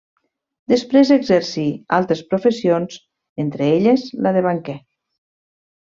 Després exercí, altres professions, entre elles la de banquer.